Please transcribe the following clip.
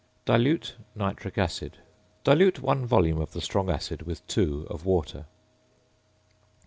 ~Dilute Nitric Acid.~ Dilute 1 volume of the strong acid with 2 of water.